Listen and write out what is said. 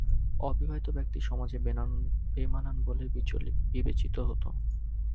অবিবাহিত ব্যক্তি সমাজে বেমানান বলেই বিবেচিত হত।